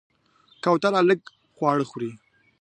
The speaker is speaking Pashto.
کوتره لږ خواړه خوري.